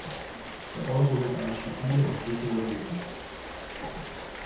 Der Euro wird eine stabile und sichere Währung.